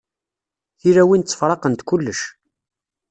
Tilawin ttefṛaqent kullec.